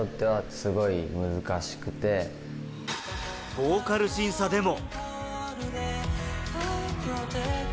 ボーカル審査でも。